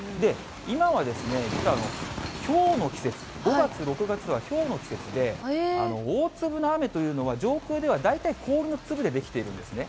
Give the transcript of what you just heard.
今はひょうの季節、５月、６月はひょうの季節で、大粒の雨というのは、上空では大体、氷の粒で出来てるんですね。